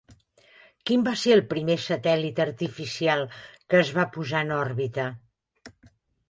Quin va ser el primer satèl·lit artificial que es va posar en òrbita?